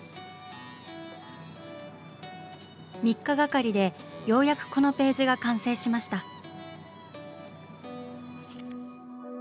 ３日がかりでようやくこのページが完成しました。